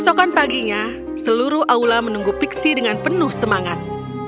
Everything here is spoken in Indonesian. kesokan paginya seluruh aula menunggu pixie dengan penuh semangat